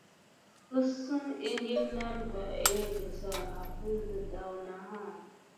Enseŋ iŋkile nalɓa elege sa? Afime de daouna.